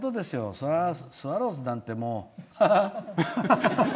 それはスワローズなんかハハッ。